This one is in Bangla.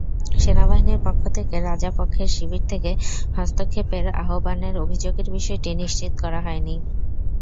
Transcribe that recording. সেনাবাহিনীর পক্ষ থেকে রাজাপক্ষের শিবির থেকে হস্তক্ষেপের আহ্বানের অভিযোগের বিষয়টি নিশ্চিত করা হয়নি।